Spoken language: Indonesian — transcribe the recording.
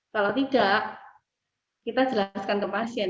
kalau tidak kita jelaskan ke pasien